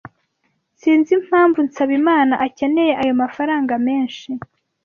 Sinzi impamvu Nsabimana akeneye ayo mafranga menshi.